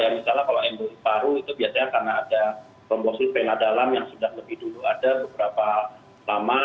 misalnya kalau emble paru itu biasanya karena ada komposis vena dalam yang sudah lebih dulu ada beberapa lama